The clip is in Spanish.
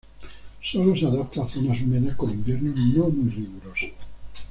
Solo se adapta a zonas húmedas con inviernos no muy rigurosos.